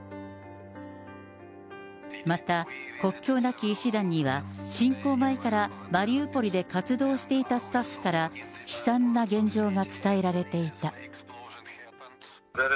また、国境なき医師団には、侵攻前からマリウポリで活動していたスタッフから、悲惨な現状が伝えられていた。